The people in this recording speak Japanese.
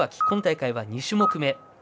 今大会は２種目め。